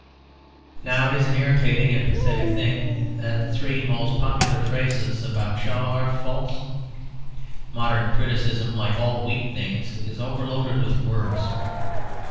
Now it is an irritating and pathetic thing that the three most popular phrases about Shaw are false. Modern criticism, like all weak things, is overloaded with words.